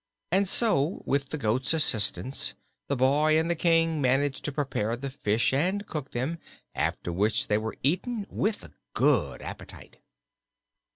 And so, with the goat's assistance, the boy and the King managed to prepare the fish and cook them, after which they were eaten with good appetite.